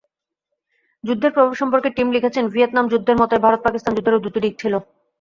যুদ্ধের প্রভাব সম্পর্কে টিম লিখেছেন, ভিয়েতনাম যুদ্ধের মতোই ভারত-পাকিস্তান যুদ্ধেরও দুটি দিক ছিল।